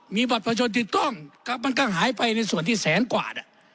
มีบัตรประชนติดกล้องมันก็หายไปในส่วนที่แสนกว่า